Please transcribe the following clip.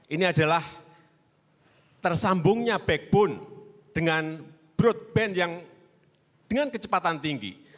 ini adalah tersambungnya backbone dengan broadband yang dengan kecepatan tinggi